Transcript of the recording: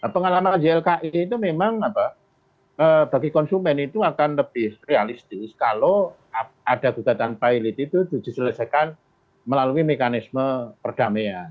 pengalaman ylki itu memang bagi konsumen itu akan lebih realistis kalau ada gugatan pilot itu diselesaikan melalui mekanisme perdamaian